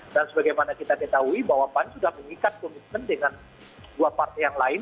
dan sebagaimana kita ketahui bahwa pan sudah mengikat komitmen dengan dua partai yang lain